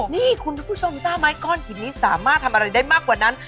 นี่คุณผู้ชมทราบไหมก้อนหินนี้สามารถทำอะไรได้มากกว่านั้น